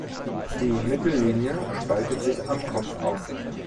Die Mittellinie spaltet sich am Kopf auf.